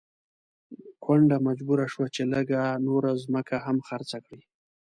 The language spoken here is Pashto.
کونډه مجبوره شوه چې لږه نوره ځمکه هم خرڅه کړي.